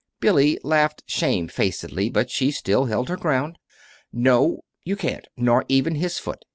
Billy laughed shamefacedly, but she still held her ground. "No, you can't nor even his foot.